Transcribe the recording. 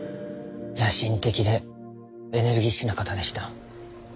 野心的でエネルギッシュな方でした。